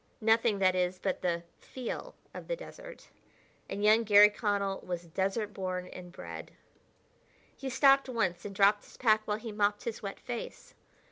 Nothing, that is, but the "feel" of the desert and young Garry Connell was desert born and bred. He stopped once and dropped his pack while he mopped his wet face.